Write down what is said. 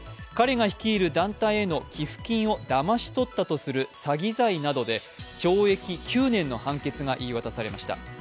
彼が率いる団体への寄付金をだまし取ったとする詐欺罪などで懲役９年の判決が言い渡されました。